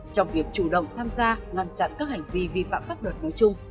trong việc chủ động tham gia ngăn chặn các hành vi vi phạm pháp luật nói chung